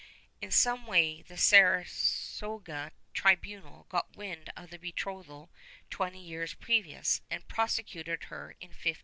In some way the Saragossa tribunal got wind of the betrothal twenty years previous and prosecuted her in 1513.